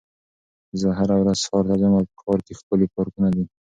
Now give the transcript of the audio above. زه هره ورځ ښار ته ځم او په ښار کې ښکلي پارکونه دي.